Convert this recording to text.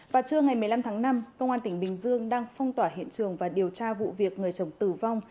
và trưa ngày một mươi năm tháng năm công an tỉnh bình dương đang phong tỏa hiện trường và điều tra vụ việc người chồng tử vong